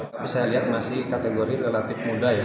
tapi saya lihat masih kategori relatif muda ya